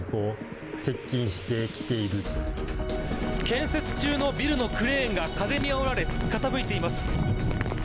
建設中のビルのクレーンが風にあおられ、傾いています。